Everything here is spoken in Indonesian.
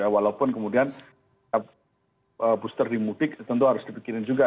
walaupun kemudian booster di mudik tentu harus dipikirin juga